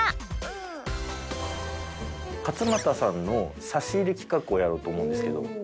勝俣さんの差し入れ企画をやろうと思うんですけど。